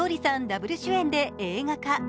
ダブル主演で映画化。